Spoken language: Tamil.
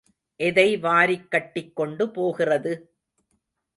எதை வாரிக் கட்டிக் கொண்டு போகிறது?